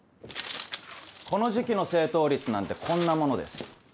この時期の正答率なんてこんなものです。